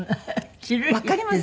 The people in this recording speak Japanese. わかります？